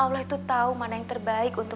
allah itu tahu mana yang terbaik untuk